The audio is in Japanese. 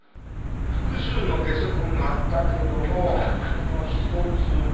複数のゲソ痕があったけどもその１つが。